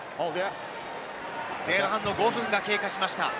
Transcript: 前半の５分が経過しました。